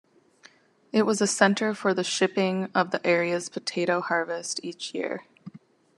It was a center for the shipping of the area's potato harvest each year.